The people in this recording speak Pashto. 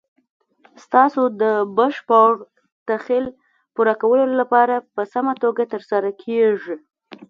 ستاسو د بشپړ تخیل پوره کولو لپاره په سمه توګه تر سره کیږي.